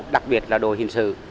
đặc biệt là đội hình sự